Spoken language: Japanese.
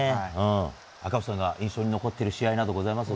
赤星さん、印象に残っている試合などありますか？